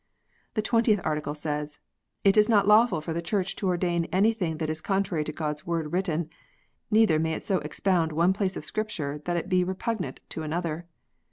The Twentieth Article says, " It is not lawful for the Church to ordain anything that is contrary to God s Word written, neither may it so expound one place of Scripture that it be repugnant to another."